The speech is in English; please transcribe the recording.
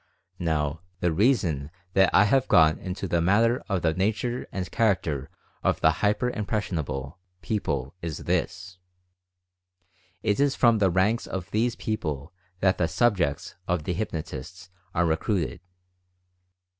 Now, the reason that I have gone into the matter of the nature and character of the "hyper impression able" people is this: It is from the ranks of these people that the "subjects" of the hypnotists are re cruited.